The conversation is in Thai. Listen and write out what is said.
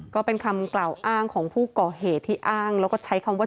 เขาวางมิดรอบ